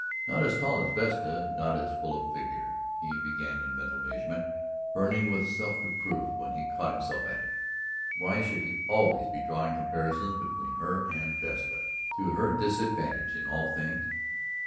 Not as tall as Vesta, not as full of figure, he began in mental measurement, burning with self reproof when he caught himself at it. Why should he always be drawing comparisons between her and Vesta, to her disadvantage in all things?